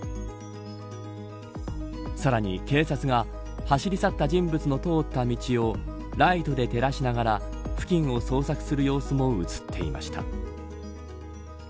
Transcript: さらに警察が走り去った人物の通った道をライトで照らしながら付近を捜索する様子も映っていました。